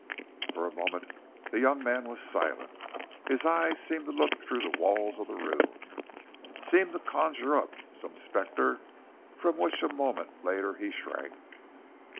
For a moment the young man was silent. His eyes seemed to look through the walls of the room, seemed to conjure up some spectre from which a moment later he shrank.